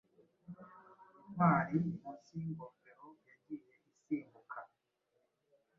Intwari munsi yingofero yagiye isimbuka